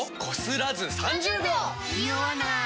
ニオわない！